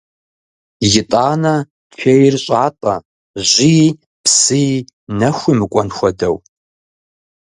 ИтӀанэ чейр щӀатӀэ жьыи, псыи, нэхуи мыкӀуэн хуэдэу.